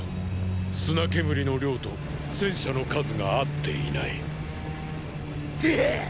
砂煙の量と戦車の数が合っていないデヘィ！